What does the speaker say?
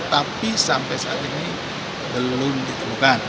tapi sampai saat ini belum ditemukan